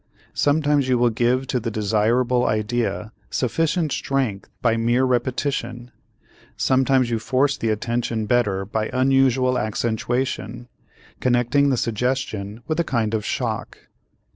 Sometimes you will give to the desirable idea sufficient strength by mere repetition, sometimes you force the attention better by unusual accentuation, connecting the suggestion with a kind of shock.